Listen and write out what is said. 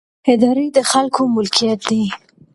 ادارې د خلکو ملکیت دي